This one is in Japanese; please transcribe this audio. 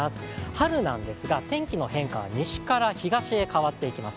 春なんですが天気の変化は西から東に変わっていきます。